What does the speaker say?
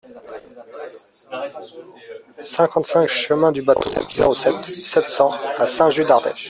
cinquante-cinq chemin du Bâteau, zéro sept, sept cents à Saint-Just-d'Ardèche